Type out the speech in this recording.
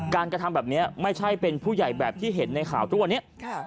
การกระทำแบบนี้ไม่ใช่ผู้ใหญ่ที่เห็นในข่าวถูกว่านี้